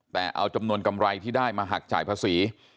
แต่เอาจำนวนกำไรที่ได้มาหักจ่ายภาษี